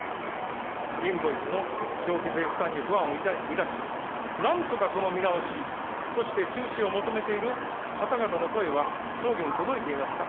インボイスの消費税負担に不安を抱き、なんとかその見直し、そして、中止を求めている方々の声は総理に届いていますか。